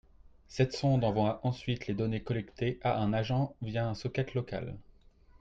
Cette sonde envoie ensuite les données collectées à un agent via un socket local